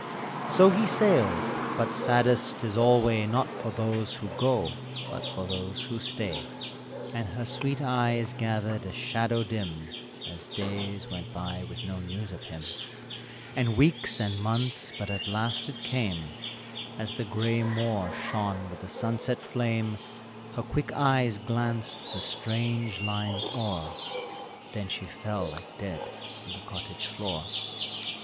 So he sailed; but saddest 'tis alway Not for those who go, but for those who stay; And her sweet eyes gathered a shadow dim As days went by with no news of him, And weeks and months, but at last it came, As the gray moor shone with the sunset flame Her quick eyes glanced the strange lines o'er, Then she fell like dead on the cottage floor.